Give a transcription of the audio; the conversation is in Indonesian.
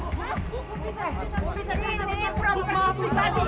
ini perangkap pribadi